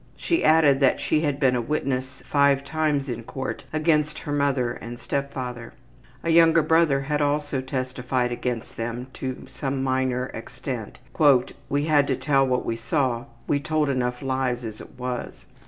She added that she had been a witness five times in court against her mother and step father. A younger brother had also testified against them to some minor extent. ``We had to tell what we saw we told enough lies as it was.''